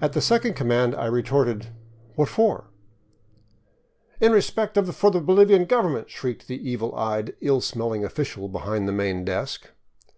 At the second command I retorted, "What for?" " In respect for the Bolivian government !" shrieked the evil eyed, ill smelling official behind the main desk.